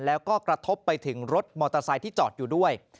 แล้วก็กระทบไปถึงรถมอเตอร์ไซค์ที่จอดอยู่ด้วย